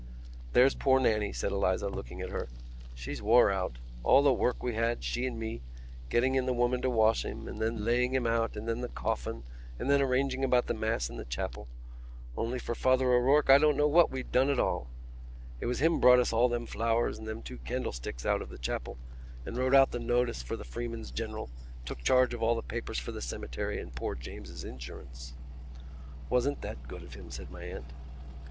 "There's poor Nannie," said Eliza, looking at her, "she's wore out. All the work we had, she and me, getting in the woman to wash him and then laying him out and then the coffin and then arranging about the Mass in the chapel. Only for Father O'Rourke I don't know what we'd have done at all. It was him brought us all them flowers and them two candlesticks out of the chapel and wrote out the notice for the Freeman's General and took charge of all the papers for the cemetery and poor James's insurance." "Wasn't that good of him?" said my aunt.